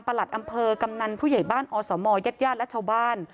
หลัดอำเภอกำนันผู้ใหญ่บ้านอสมญาติญาติและชาวบ้าน